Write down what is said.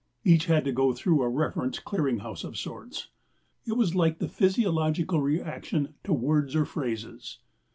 Each had to go through a reference clearing house of sorts. It was like the psychological reaction to words or phrases.